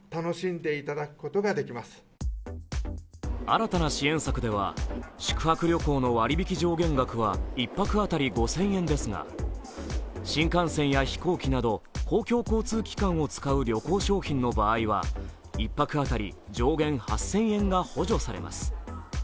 新たな支援策では宿泊旅行の割引上限額は１泊当たり５０００円ですが、新幹線や飛行機など公共交通機関を使う旅行商品の場合は１泊当たり上限８０００円が補助されます。